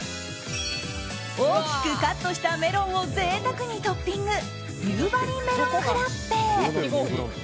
大きくカットしたメロンを贅沢にトッピング夕張メロンフラッペ。